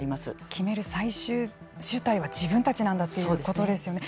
決める最終主体は自分たちなんだということですね。